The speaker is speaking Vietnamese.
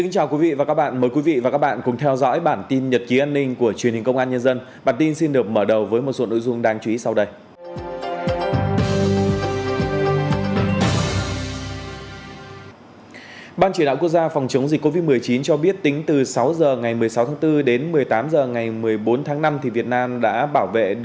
chào mừng quý vị đến với bản tin nhật ký an ninh của truyền hình công an nhân dân